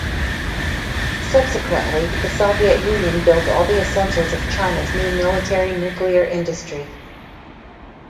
Subsequently, the Soviet Union built all the essentials of China's new military nuclear industry.